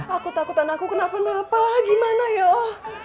aku takut anakku kenapa kenapa gimana yoo